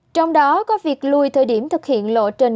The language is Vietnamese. trong đó có việc luôi thời điểm thực hiện các phong cách bảo vệ công ty